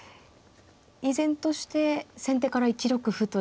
依然として先手から１六歩という手が。